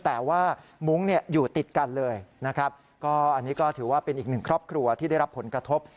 แต่ว่ามุ้งเนี่ยอยู่ติดกันเลยนะครับก็อันนี้ก็ถือว่าเป็นอีกหนึ่งครอบครัวที่ได้รับผลกระทบ